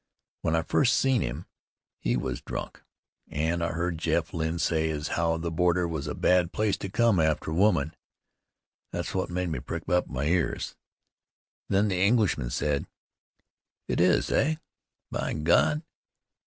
When I first seen him he was drunk, and I heard Jeff Lynn say as how the border was a bad place to come after a woman. That's what made me prick up my ears. Then the Englishman said: 'It is, eh? By God!